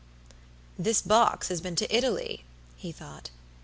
"The box has been to Italy," he thought.